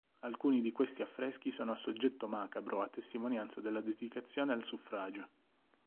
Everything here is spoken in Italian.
Alcuni di questi affreschi sono a soggetto macabro a testimonianza della dedicazione al suffragio.